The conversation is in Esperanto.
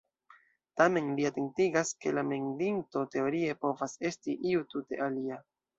Tamen li atentigas, ke la mendinto teorie povas esti iu tute alia.